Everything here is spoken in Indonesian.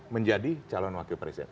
menjadi calon wakil presiden